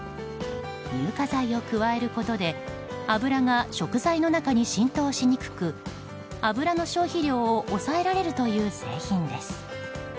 乳化剤を加えることで油が食材の中に浸透しにくく、油の消費量を抑えられるという製品です。